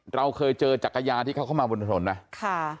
เราเคยเจอจักรยานที่เขาเข้ามาบนถนนไหมค่ะ